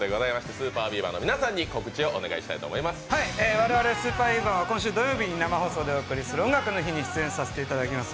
我々ＳＵＰＥＲＢＥＡＶＥＲは我々土曜日に生放送する「音楽の日」に出演させていただきます。